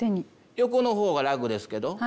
横の方が楽ですけど。